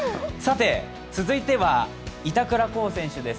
続いては、板倉滉選手です。